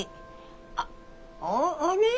あっあれ？